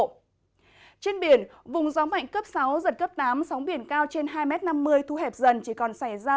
trên biển vùng gió mạnh cấp sáu giật cấp tám sóng biển cao trên hai m năm mươi thu hẹp dần chỉ còn xảy ra